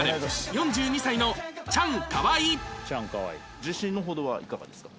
自信のほどはいかがですか？